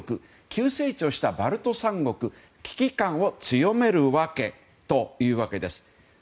急成長したバルト三国危機感を強める訳という訳です。